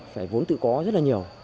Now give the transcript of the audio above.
phải vốn tự có rất là nhiều